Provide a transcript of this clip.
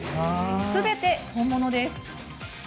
すべて本物です。